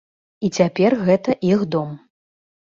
І цяпер гэта іх дом.